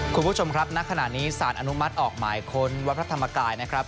คุณผู้ชมครับณขณะนี้สารอนุมัติออกหมายค้นวัดพระธรรมกายนะครับ